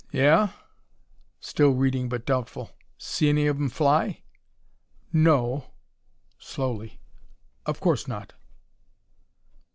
"Yeah?" Still reading, but doubtful. "See any of 'em fly?" "No o," slowly, "of course not."